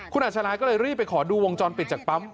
คุณอัชราก็เลยรีบไปขอดูวงจรปิดจากปั๊ม